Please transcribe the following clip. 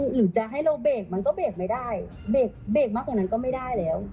หรือจะให้เราเบรกมันก็เบรกไม่ได้เบรกเบรกมากกว่านั้นก็ไม่ได้แล้ว